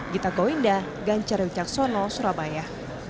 gita goinda ganjar yucaksono surabaya